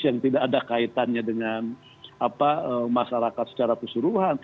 yang tidak ada kaitannya dengan masyarakat secara keseluruhan